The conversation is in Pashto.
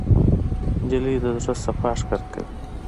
نجلۍ د زړه صفا ښکاره کوي.